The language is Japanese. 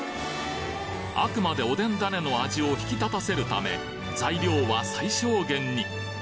あくまでおでん種の味を引き立たせるため材料は最小限に。